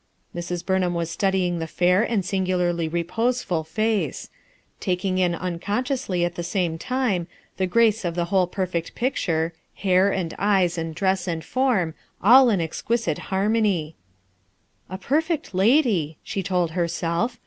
Mrs. Burnham was studying the fair ami singularly reposeful face; taking in uncon sciously at the same time the grace of the whole perfect picture, hair and eyes and dress and foi m, all in exquisite harmony. "A perfect lady I" she told herself.